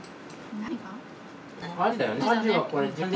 何が。